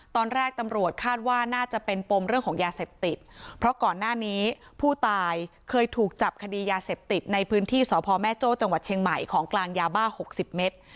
ตอนแรกตำรวจคาดว่าน่าจะเป็นปมเรื่องของยาเสพติดเพราะก่อนหน้านี้ผู้ตายเคยถูกจับคดียาเสพติดในพื้นที่สพแม่โจ้จังหวัดเชียงใหม่ของกลางยาบ้า๖๐เมตร